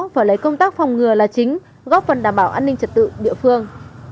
phải lấy công tác phòng ngừa là chính góp phần đảm bảo an ninh trật tự địa phương